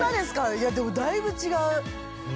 いやでもだいぶ違う。